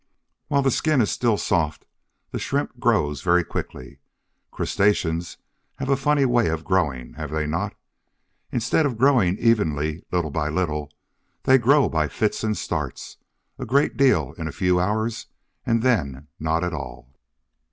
While the skin is still soft the Shrimp grows very quickly. Crustaceans have a funny way of growing, have they not? Instead of growing evenly, little by little, they grow by "fits and starts," a great deal in a few hours and then not at all.